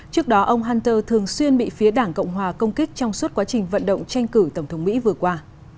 trước đó ông hunter thường xuyên bị phía đảng cộng hòa công kích trong suốt quá trình vận động tranh cử tổng thống mỹ vừa qua